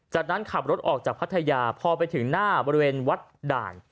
จากนั้นขับรถออกจากพัทยาพอไปถึงหน้าบริเวณวัดด่าน